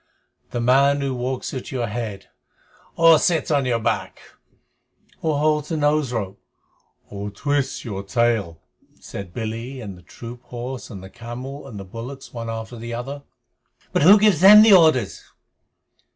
"The man who walks at your head Or sits on your back Or holds the nose rope Or twists your tail," said Billy and the troop horse and the camel and the bullocks one after the other. "But who gives them the orders?"